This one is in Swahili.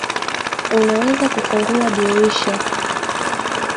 Unaweza kufungua dirisha.